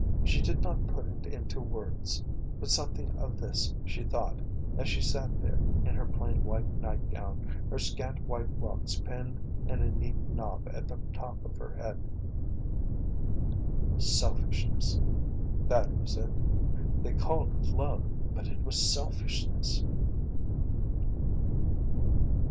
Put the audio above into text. She did not put it into words. But something of this she thought as she sat there in her plain white nightgown, her scant white locks pinned in a neat knob at the top of her head. Selfishness. That was it. They called it love, but it was selfishness.